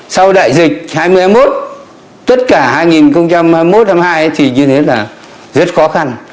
sau đại dịch hai nghìn hai mươi một tất cả hai nghìn hai mươi một hai mươi hai thì như thế là rất khó khăn